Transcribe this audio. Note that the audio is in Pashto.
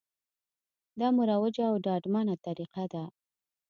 دا مروجه او ډاډمنه طریقه ده